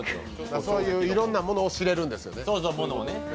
そういういろんなものを知れるんですよね。